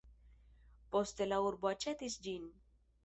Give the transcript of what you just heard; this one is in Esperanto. Poste la urbo aĉetis ĝin.